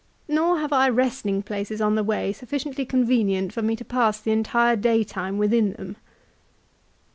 " Nor have I resting places on the way sufficiently convenient for me to pass the entire daytime within them."